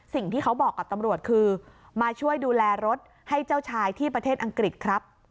สิ่งที่เขาบอกกับตำรวจคือมาช่วยดูแลรถให้เจ้าชายที่ประเทศอังกฤษครับ